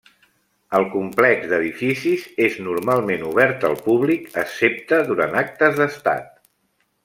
El complex d'edificis és normalment obert al públic, excepte durant actes d'Estat.